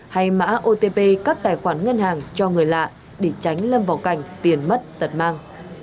hay mã otp các tài khoản ngân hàng cho người lạ để tránh lâm vào cảnh tiền mất tật mang